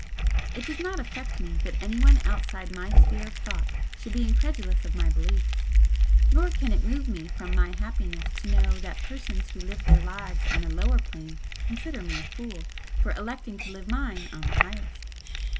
It does not affect me that anyone outside my sphere of thought should be incredulous of my beliefs, nor can it move me from my happiness to know that persons who live their lives on a lower plane consider me a fool for electing to live mine on the highest.